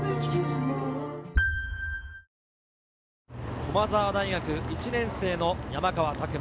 駒澤大学１年生の山川拓馬。